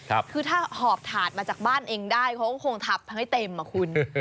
คือถ้าหอบถาดมาจากบ้านเองได้เขาก็คงทับให้เต็มอ่ะคุณ